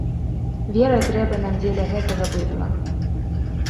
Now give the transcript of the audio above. Вера трэба нам дзеля гэтага быдла.